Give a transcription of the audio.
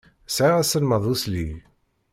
Sɛiɣ aselmad uslig.